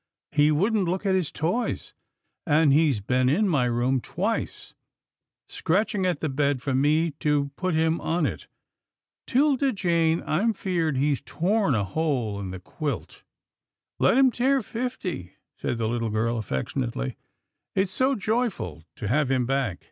He wouldn't look at his toys, and he's been in my room twice, scratching at the bed for me to put him on it. 'Tilda Jane, I'm feared he's torn a hole in the quilt." " Let him tear fifty," said the little girl affec tionately, " it's so joyful to have him back."